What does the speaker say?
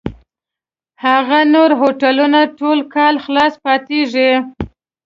هغه نور هوټلونه ټول کال خلاص پاتېږي.